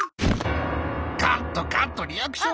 カットカットリアクション